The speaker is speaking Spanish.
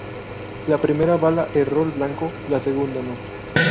La primera bala erró el blanco, la segunda no.